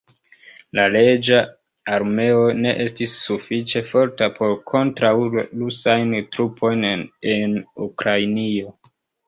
La reĝa armeo ne estis sufiĉe forta por kontraŭi rusajn trupojn en Ukrainio.